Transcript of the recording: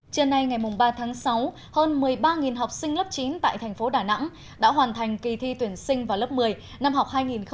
trưa nay ngày ba tháng sáu hơn một mươi ba học sinh lớp chín tại thành phố đà nẵng đã hoàn thành kỳ thi tuyển sinh vào lớp một mươi năm học hai nghìn hai mươi hai nghìn hai mươi một